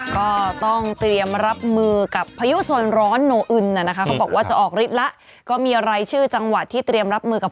ก็ต้องเตรียมรับมือกับพายุโซนร้อนโนอึนนะคะเขาบอกว่าจะออกฤทธิ์แล้วก็มีรายชื่อจังหวัดที่เตรียมรับมือกับ